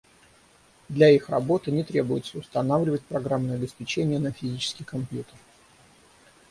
Для их работы не требуется устанавливать программное обеспечение на физический компьютер.